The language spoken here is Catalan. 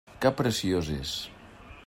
Que preciós és!